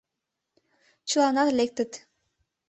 Чыланат лектыт.